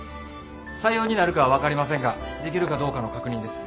採用になるかは分かりませんができるかどうかの確認です。